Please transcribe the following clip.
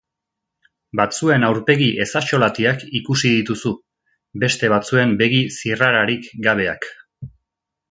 Batzuen aurpegi ezaxolatiak ikusi dituzu, beste batzuen begi zirrararik gabeak.